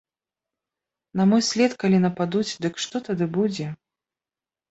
На мой след калі нападуць, дык што тады будзе?